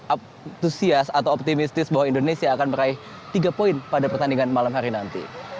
antusias atau optimistis bahwa indonesia akan meraih tiga poin pada pertandingan malam hari nanti